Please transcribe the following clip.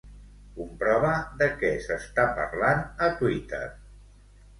Comprova de què s'està parlant a Twitter.